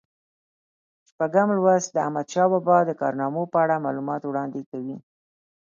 شپږم لوست د احمدشاه بابا د کارنامو په اړه معلومات وړاندې کوي.